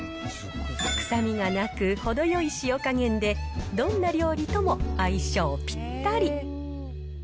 臭みがなく、程よい塩加減で、どんな料理とも相性ぴったり。